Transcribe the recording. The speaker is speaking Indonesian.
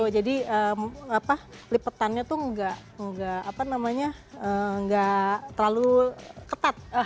jadi lipetannya tuh enggak terlalu ketat